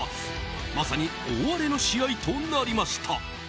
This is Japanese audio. まさに大荒れの試合となりました。